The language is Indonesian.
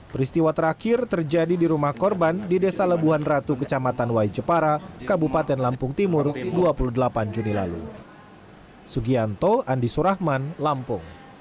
peristiwa terakhir terjadi di rumah korban di desa lebuhan ratu kecamatan waijepara kabupaten lampung timur dua puluh delapan juni lalu